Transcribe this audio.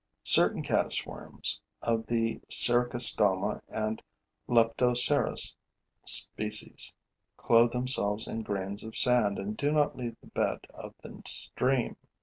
Certain caddis worms, of the Sericostoma and Leptocerus species, clothe themselves in grains of sand and do not leave the bed of the stream.